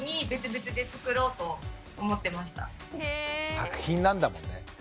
作品なんだもんね。